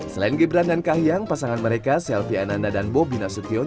selain gibran dan kahiyang pasangan mereka selvi ananda dan bobi nasution